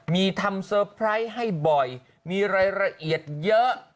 มีทำเซอร์ไพรส์ให้บ่อยมีรายละเอียดเยอะ